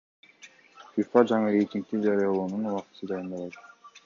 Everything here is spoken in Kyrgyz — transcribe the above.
ФИФА жаңы рейтингди жарыялоонун убактысын дайындабайт.